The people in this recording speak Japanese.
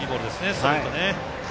ストレート。